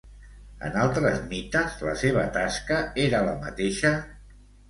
En altres mites, la seva tasca era la mateixa?